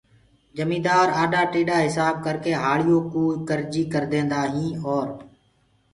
جميندآر آڏآ ٽيڏآ هسآب ڪرڪي هآݪيوڪو ڪرجي ڪرديندآ هين اور